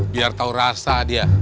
biar tau rasa dia